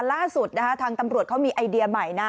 ล่าสุดนะคะทางตำรวจเขามีไอเดียใหม่นะ